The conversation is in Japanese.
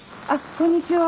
こんにちは。